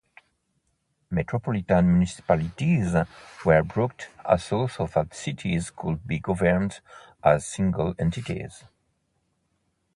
Metropolitan municipalities were brought about so that cities could be governed as single entities.